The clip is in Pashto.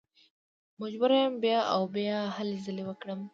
مجبوره یم بیا او بیا هلې ځلې وکړم.